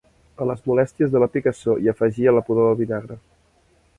A les molèsties de la picassor hi afegia la pudor del vinagre.